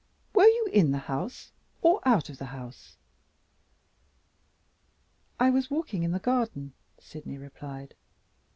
Were you in the house? or out of the house?" "I was walking in the garden," Sydney replied.